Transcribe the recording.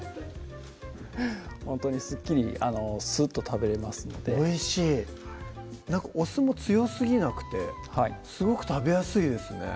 ほんとにすっきりすっと食べれますのでおいしいお酢も強すぎなくてすごく食べやすいですね